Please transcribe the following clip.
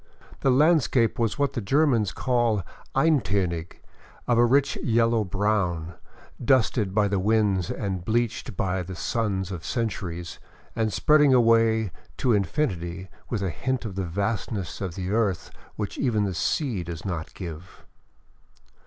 The landscape was what the Germans call eintonig, of a rich yellow brown, dusted by the winds and bleached by the suns of centuries, and spreading away to infinity with a hint of the vastness of the earth which even the sea does not give.